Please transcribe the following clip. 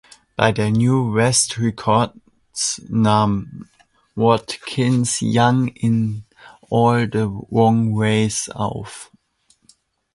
Bei "New West Records" nahm Watkins "Young in All the Wrong Ways" auf.